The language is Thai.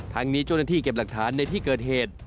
ทางนี้เจ้าหน้าที่เก็บหลักฐานในที่เกิดเหตุ